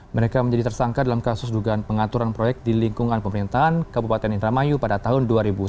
mereka menjadi tersangka dalam kasus dugaan pengaturan proyek di lingkungan pemerintahan kabupaten indramayu pada tahun dua ribu sembilan belas